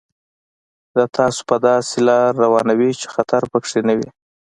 دا تاسو په داسې لار روانوي چې خطر پکې نه وي.